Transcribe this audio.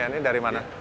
ya ini dari mana